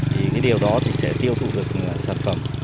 thì cái điều đó thì sẽ tiêu thụ được sản phẩm